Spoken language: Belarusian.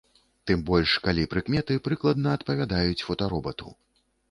Тым больш, калі прыкметы прыкладна адпавядаюць фотаробату.